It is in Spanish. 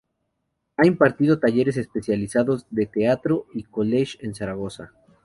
Ha impartido talleres especializados de retrato y collage en Zaragoza.